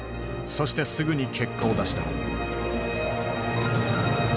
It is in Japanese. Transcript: そしてすぐに結果を出した。